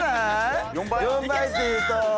４倍っていうと。